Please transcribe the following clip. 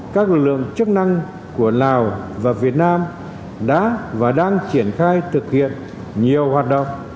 các lực lượng chức năng của lào và việt nam đã và đang triển khai thực hiện nhiều hoạt động